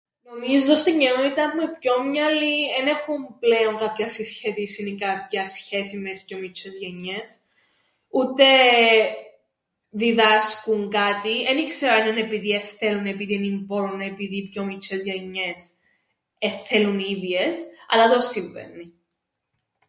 Νομίζω στην κοινότηταν μου οι πιο μιάλοι εν έχουν κάποιαν συσχέτισην ή κάποιαν σχέσην με τες πιο μιτσ̆ιές γενιές. Ο΄υτε διδ΄΄ασκουν κάτι εν ι-ξέρω αν εν' επειδή εν θέλουν ή επειδή εν μπόρουν ή οι πιο μιτσ̆ιές γενιές εν θέλουν οι ίδιες αλλά το΄υτον συμβαίννει.